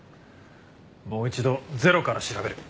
もう一度ゼロから調べる！